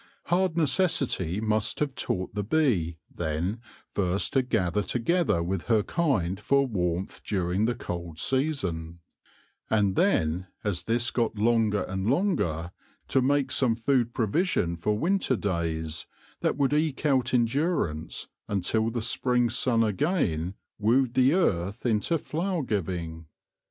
Hard necessity must have taught the bee, then, first to gather together with her kind for warmth during the cold season ; and then, as this got longer and longer, to make some food provision for winter days that would eke out endurance until the spring sun again wooed the earth into flower giving.